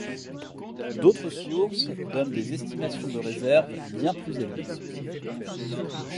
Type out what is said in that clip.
D'autres sources donnent des estimations de réserves bien plus élevées.